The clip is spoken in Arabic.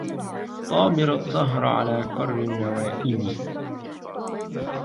صابر الدهر على كر النوائب